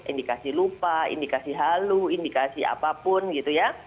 indikasi lupa indikasi halu indikasi apapun gitu ya